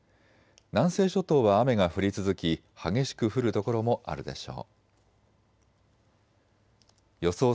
南西諸島は雨が降り続き激しく降る所もあるでしょう。